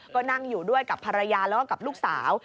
ก็นั่งอยู่ด้วยกับภรรยาแล้วก็กับลูกสาว